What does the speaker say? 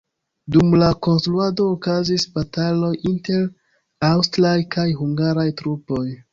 Dum la konstruado okazis bataloj inter aŭstraj kaj hungaraj trupoj.